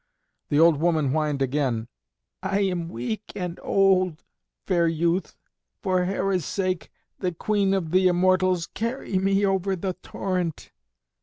The old woman whined again, "I am weak and old, fair youth. For Hera's sake, the Queen of the Immortals, carry me over the torrent."